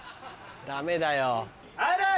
ダメだよ！